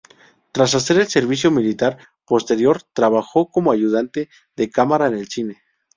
Tras hacer el servicio militar posterior, trabajó como ayudante de cámara en el cine.